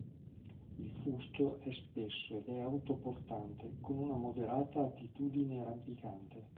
Il fusto è spesso ed è autoportante con una moderata attitudine rampicante.